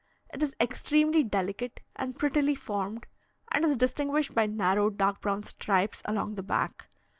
It is extremely delicate and prettily formed, and is distinguished by narrow dark brown stripes along the back.